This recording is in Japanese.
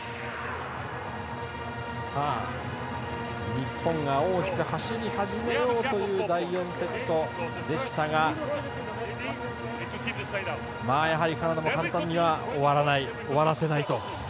日本が大きく走り始めようという第４セットでしたがやはりカナダも簡単には終わらせないという。